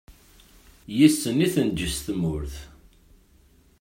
Yes-sen i tenǧes tmurt.